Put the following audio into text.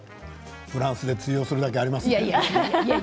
フランスで通用するだけありますね。